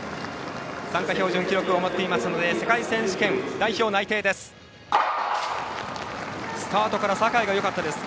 参加標準記録を持っていますので世界選手権代表内定です。